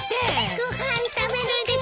ご飯食べるです。